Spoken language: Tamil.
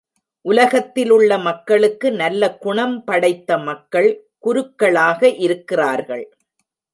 உலகத்திலுள்ள மக்களுக்கு நல்ல குணம் படைத்த மக்கள் குருக்களாக இருக்கிறார்கள்.